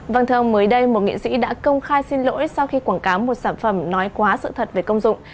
vâng thưa ông mới đây một nghệ sĩ đã công khai xin lỗi sau khi quảng cáo một sản phẩm nói quá sự thật về công dụng